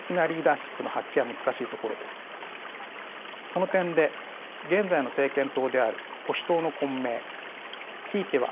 その点で現在の政権党である保守党の混迷ひいては